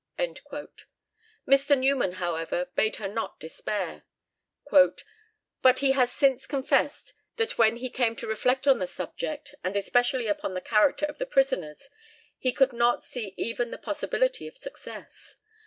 Mr. Newman, however, bade her not despair; "but he has since confessed that when he came to reflect on the subject, and especially upon the character of the prisoners, he could not see even the possibility of success.